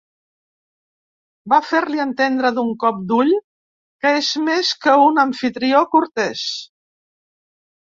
Vol fer-li entendre d'un cop d'ull que és més que un amfitrió cortès.